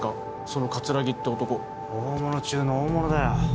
その桂木って男大物中の大物だよ